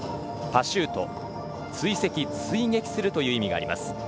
パシュート追跡、追撃するという意味があります。